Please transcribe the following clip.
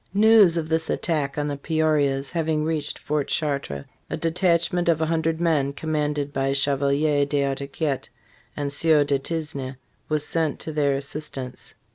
News of this attack on the Peorias having reached Fort Chartres, a de tachment of a hundred men, commanded by Chevalier d'Artaguiette and Sieur de Tisne, was sent to their assistance.